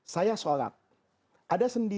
saya sholat ada sendi